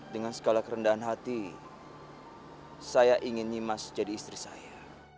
dengan segala kerendahan hati saya ingin nimas jadi istri saya